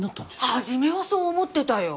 初めはそう思ってたよ。